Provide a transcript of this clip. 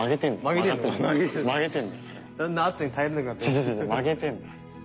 曲げてるんだよ。